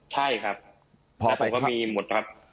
ใช่ครับแล้วผมก็มีหมดครับ